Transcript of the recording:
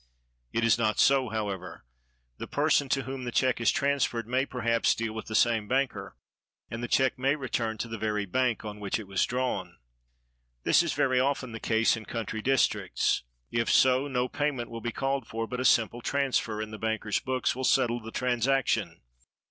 It is not so, however. The person to whom the check is transferred may perhaps deal with the same banker, and the check may return to the very bank on which it was drawn. This is very often the case in country districts; if so, no payment will be called for, but a simple transfer in the banker's books will settle the transaction.